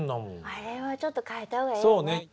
あれはちょっと変えた方がいいね。